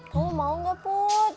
kamu mau gak pu